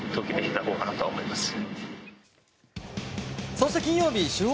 そして金曜日主砲